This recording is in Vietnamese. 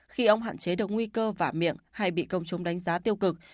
khi ông hạn chế được nguy cơ vả miệng hay bị công chúng đánh giá tiêu cực